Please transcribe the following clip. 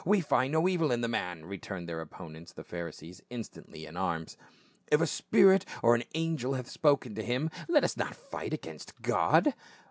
"We find no evil in the man," returned their oppo nents, the Pharisees, instantly in arms. " If a spirit or an angel hath spoken to him, let us not fight against God